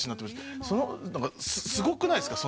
すごくないっすか？